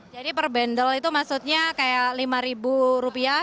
jadi per bendel itu maksudnya kayak lima rupiah